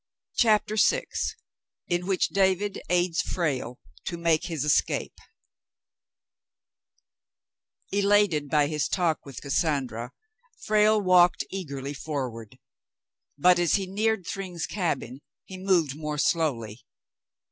CHAPTER VI IN WHICH DAVID AIDS FRALE TO MAKE HIS ESCAPE Elated by his talk with Cassandra, Frale walked eagerly forward, but as he neared Thryng's cabin he moved more slowly.